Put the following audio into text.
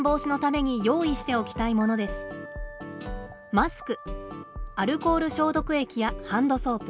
マスクアルコール消毒液やハンドソープ。